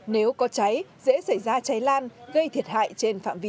nếu có cháy dễ xảy ra cháy lan gây thiệt hại trên phạm vi